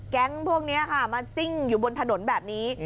แก๊งพวกนี้ค่ะมาซิ่งอยู่บนถนนแบบนี้